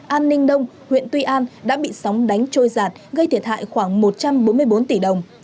an ninh đông huyện tuy an đã bị sóng đánh trôi giạt gây thiệt hại khoảng một trăm bốn mươi bốn tỷ đồng